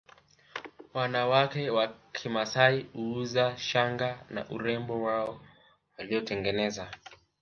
Wanawake wa kimasai huuza shanga na urembo wao waliotengeneza